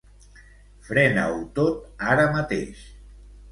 Frena-ho tot ara mateix.